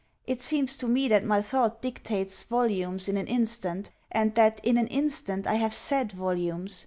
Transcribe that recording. It seems to me that my thought dictates volumes in an instant; and that, in an instant, I have said volumes.